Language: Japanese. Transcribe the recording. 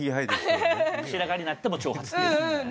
白髪になっても長髪っていうね。